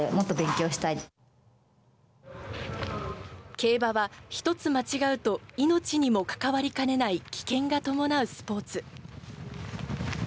競馬は一つ間違うと命にもかかわりかねない危険が伴うスポーツ。